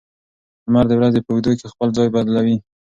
لمر د ورځې په اوږدو کې خپل ځای بدلوي.